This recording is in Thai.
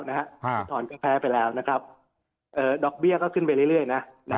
เมื่อก่อนก็แพ้ไปแล้วนะครับดอกเบี้ยก็ขึ้นไปเรื่อยนะ